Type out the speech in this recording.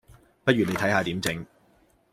不如你睇下點整